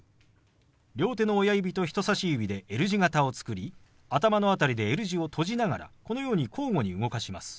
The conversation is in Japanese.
両手の親指と人さし指でＬ字型を作り頭の辺りでＬ字を閉じながらこのように交互に動かします。